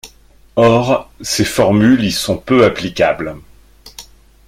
Or, ces formules y sont peu applicables.